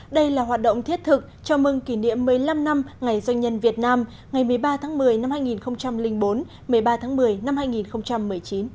đây là hoạt động thiết thực cho mừng kỷ niệm một mươi năm năm ngày doanh nhân việt nam ngày một mươi ba tháng một mươi năm hai nghìn bốn một mươi ba tháng một mươi năm hai nghìn một mươi chín